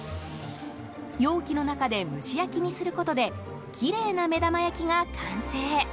容器の中で蒸し焼きすることできれいな目玉焼きが完成。